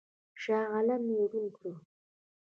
شاه عالم یې ړوند کړ.